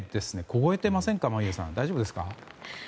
凍えてませんか眞家さん、大丈夫ですか。